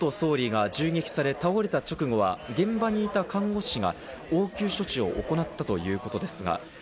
また安倍元総理が銃撃され、倒れた直後は現場にいた看護師が応急処置を行ったということです。